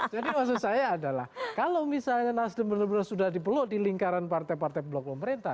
jadi maksud saya adalah kalau misalnya nasden benar benar sudah dipeluk di lingkaran partai partai blok pemerintah